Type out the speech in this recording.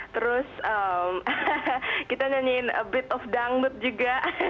terus kita nyanyiin a bit of dangdut juga